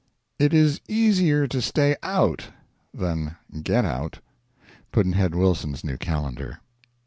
It is easier to stay out than get out. Pudd'nhead Wilson's New Calendar.